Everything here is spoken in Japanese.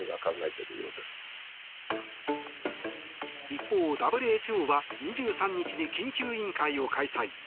一方、ＷＨＯは２３日に緊急委員会を開催。